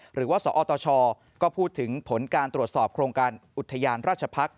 หรือว่าสอตชก็พูดถึงผลการตรวจสอบโครงการอุทยานราชพักษ